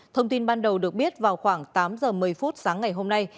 thông tin ban đầu được biết vào khoảng tám giờ một mươi phút sáng ngày hôm nay